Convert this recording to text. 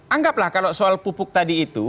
anggaplah kalau soal pupuk tadi itu